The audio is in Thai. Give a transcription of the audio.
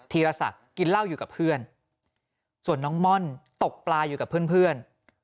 ธีรศักดิ์กินเหล้าอยู่กับเพื่อนส่วนน้องม่อนตกปลาอยู่กับเพื่อน